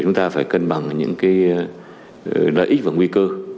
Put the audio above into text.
chúng ta phải cân bằng những cái lợi ích và nguy cơ